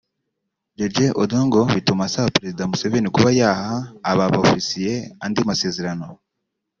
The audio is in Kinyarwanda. Jeje Odong bituma asaba Perezida Museveni kuba yaha aba bofisiye andi masezerano